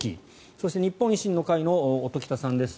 そして日本維新の会の音喜多さんです。